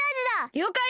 りょうかい！